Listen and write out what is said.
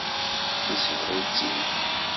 Yesbeɣ-itt-id.